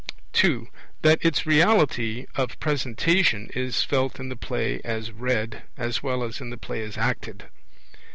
(2) That its reality of presentation is felt in the play as read, as well as in the play as acted.